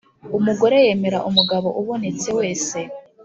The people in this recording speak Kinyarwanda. Umugore yemera umugabo ubonetse wese,